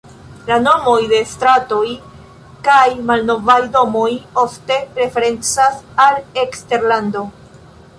La nomoj de stratoj kaj malnovaj domoj ofte referencas al eksterlando.